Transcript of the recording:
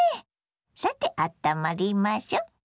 さてあったまりましょ。